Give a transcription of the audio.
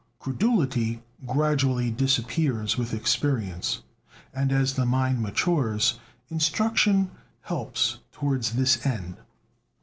Credulity gradually disappears with experience, and as the mind matures: instruction helps towards this end.